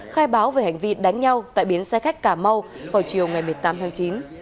khai báo về hành vi đánh nhau tại biến xe khách cà mau vào chiều ngày một mươi tám tháng chín